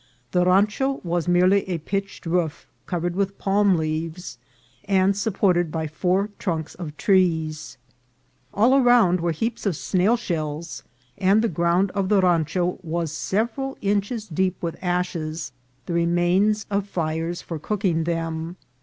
The rancho was merely a pitched roof covered with palm leaves, and supported by four trunks of trees. All around were heaps of snail shells, and the ground of the rancho was several inches deep with ashes, the remains of fires for cooking them.